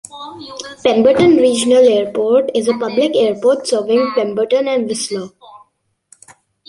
Pemberton Regional Airport is a public airport serving Pemberton and Whistler.